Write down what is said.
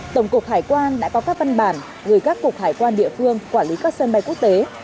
tổng cục hải quan đã có các văn bản gửi các cục hải quan địa phương quản lý các sân bay quốc tế